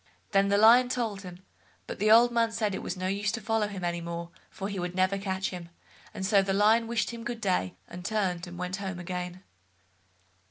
Then the Lion told him, but the old man said it was no use to follow him any more, for he would never catch him, and so the Lion wished him good day, and turned and went home again.